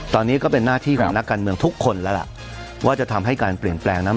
ตอนนี้ก็เป็นหน้าที่ของนักการเมืองทุกคนแล้วล่ะว่าจะทำให้การเปลี่ยนแปลงนั้น